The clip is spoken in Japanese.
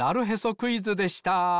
クイズ」でした。